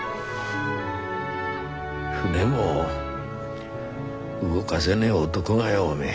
船も動がせねえ男がよおめえ。